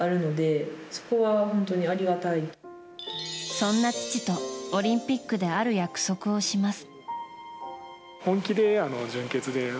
そんな父と、オリンピックである約束をします。